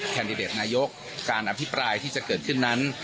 แดดิเดตนายกการอภิปรายที่จะเกิดขึ้นนั้น